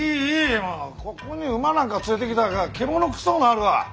もうここに馬なんか連れてきたら獣臭うなるわ。